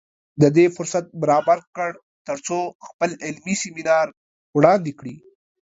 د دې فرصت برابر کړ تر څو خپل علمي سیمینار وړاندې کړي